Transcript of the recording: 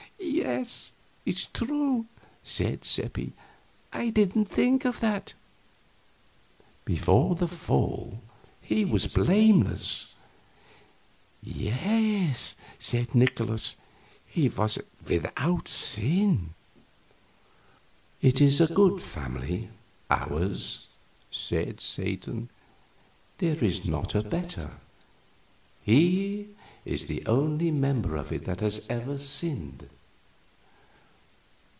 "Yes it's true," said Seppi; "I didn't think of that." "Before the Fall he was blameless." "Yes," said Nikolaus, "he was without sin." "It is a good family ours," said Satan; "there is not a better. He is the only member of it that has ever sinned."